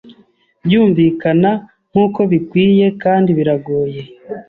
byunvikana nkuko bikwiye kandi biragoye